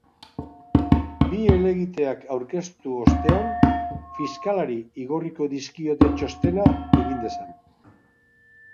Bi helegiteak aurkeztu ostean, fiskalari igorriko dizkiote txostena egin dezan.